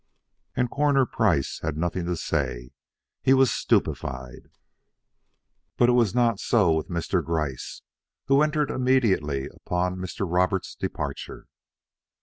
And Coroner Price had nothing to say, he was stupefied. But it was not so with Mr. Gryce, who entered immediately upon Mr. Roberts' departure.